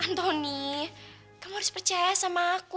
antoni kamu harus percaya sama aku